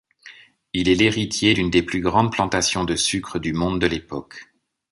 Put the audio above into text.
Il est l'héritier d'une des plus grandes plantations de sucre du monde de l'époque.